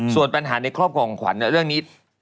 ส่วนปัญหาในครอบครัวของขวัญเรื่องนี้